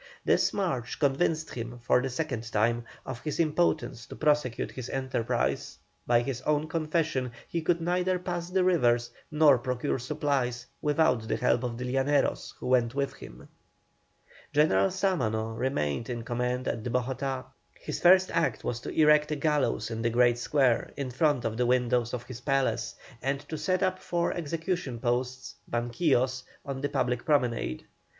This march convinced him, for the second time, of his impotence to prosecute his enterprise; by his own confession, he could neither pass the rivers nor procure supplies without the help of the Llaneros who went with him. General Sámano remained in command at Bogotá. His first act was to erect a gallows in the great square, in front of the windows of his palace, and to set up four execution posts (banquillos) on the public promenade.